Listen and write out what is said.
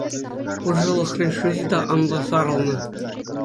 Пыршӑлӑхри шыҫӑ та анлӑ сарӑлнӑ.